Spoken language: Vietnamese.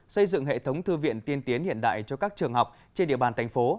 xây dựng hệ thống thư viện tiên tiến hiện đại cho các trường học trên địa bàn thành phố